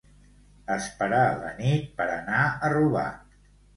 Esperar la nit per anar a robar.